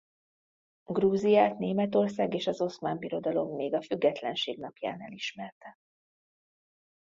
Grúziát Németország és az Oszmán Birodalom még a függetlenség napján elismerte.